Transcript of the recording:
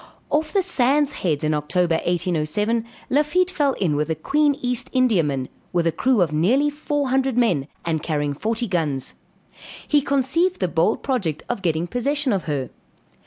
Off the Sand Heads in October, 1807, Lafitte fell in with the Queen East Indiaman, with a crew of near four hundred men, and carrying forty guns; he conceived the bold project of getting possession of her.